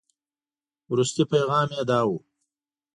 وروستي پيغام یې داو.